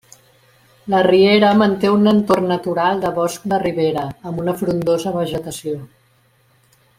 La riera manté un entorn natural de bosc de ribera, amb una frondosa vegetació.